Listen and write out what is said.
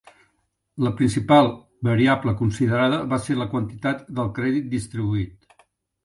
La principal variable considerada va ser la quantitat del crèdit distribuït.